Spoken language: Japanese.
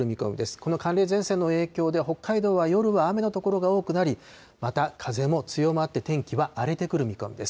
この寒冷前線の影響で、北海道は夜は雨の所が多くなり、また風も強まって、天気は荒れてくる見込みです。